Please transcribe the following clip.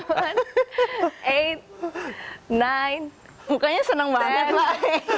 bukannya seneng banget lah